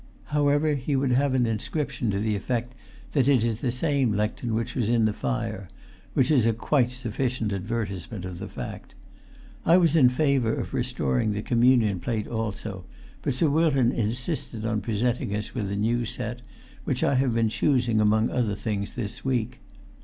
However, he would have an inscription to the effect that it is the same lectern which was in the fire, which is quite a sufficient advertisement of the fact. I was in favour of restoring the communion plate also, but Sir Wilton insisted on presenting us with a new set, which I have been choosing among other things this[Pg 371] week.